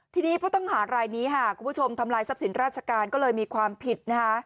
ทีนี้ผู้ต้องหารายนี้ค่ะคุณผู้ชมทำลายทรัพย์สินราชการก็เลยมีความผิดนะคะ